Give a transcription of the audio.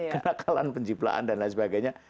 kenakalan penciptaan dan lain sebagainya